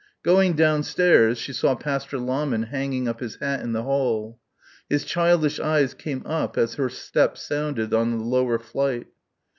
Going downstairs she saw Pastor Lahmann hanging up his hat in the hall. His childish eyes came up as her step sounded on the lower flight.